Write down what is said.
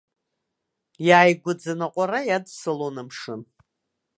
Иааигәаӡаны аҟәара иадсылон амшын.